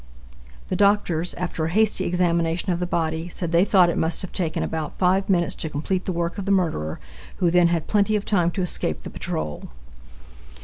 The doctors, after a hasty examination of the body, said they thought it must have taken about five minutes to complete the work of the murderer, who then had plenty of time to escape the patrol.